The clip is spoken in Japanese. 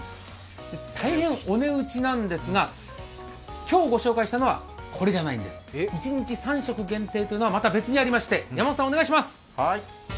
大変お値打ちなんですが、今日ご紹介したいのはこれじゃないです一日３食限定というのは、また別にあります。